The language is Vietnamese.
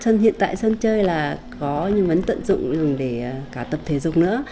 sân hiện tại sân chơi là có nhưng vẫn tận dụng dùng để cả tập thể dục nữa